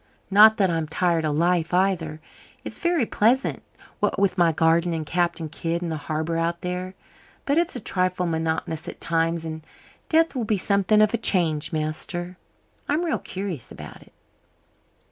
Not that I'm tired of life either. It's very pleasant, what with my garden and Captain Kidd and the harbour out there. But it's a trifle monotonous at times and death will be something of a change, master. I'm real curious about it."